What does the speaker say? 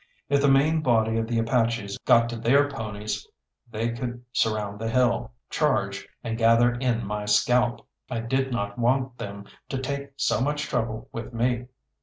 If the main body of the Apaches got to their ponies, they could surround the hill, charge, and gather in my scalp. I did not want them to take so much trouble with me.